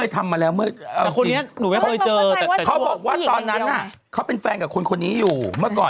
แต่เขาเคยทำมาแล้วเมื่อ